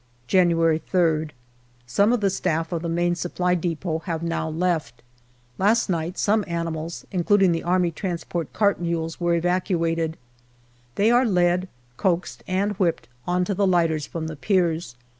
January 3rd. Some of the staff of the Main Supply depot have now left. Last night some animals, including the A.T. cart mules, were evacuated. They are led, coaxed, and whipped on to the lighters from the piers.